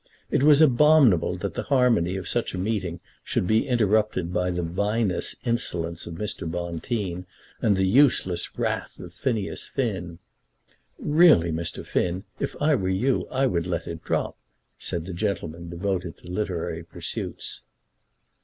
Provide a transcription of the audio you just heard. It was abominable that the harmony of such a meeting should be interrupted by the vinous insolence of Mr. Bonteen, and the useless wrath of Phineas Finn. "Really, Mr. Finn, if I were you I would let it drop," said the gentleman devoted to literary pursuits.